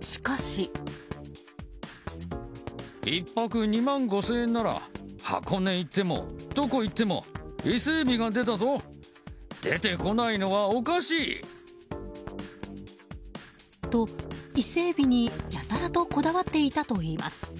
しかし。と、伊勢エビにやたらとこだわっていたといいます。